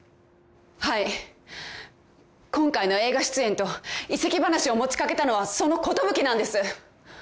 はい今回の映画出演と移籍話を持ち掛けたのはその寿なんです。